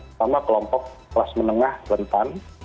pertama kelompok kelas menengah rentan